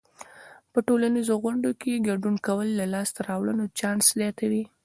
په ټولنیزو غونډو کې ګډون کول د لاسته راوړنو چانس زیاتوي.